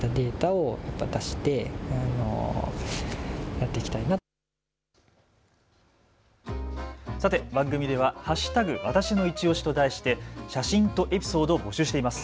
わたしのいちオシと題して写真とエピソードを募集しています。